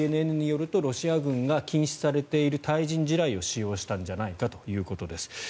ＣＮＮによるとロシア軍が禁止されている対人地雷を使用したんじゃないかということです。